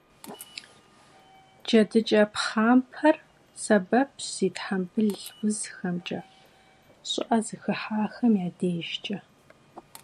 ДжэдыкӀэ пхъампэр сэбэпщ зи тхьэмбыл узхэмкӀэ, щӀыӀэ зыхыхьахэм я дежкӀэ.